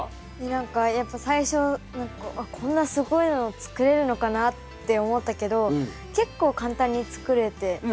何かやっぱ最初何かこうこんなすごいの作れるのかなって思ったけど結構簡単に作れて楽しかったです。